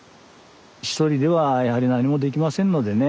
１人ではやはり何もできませんのでね。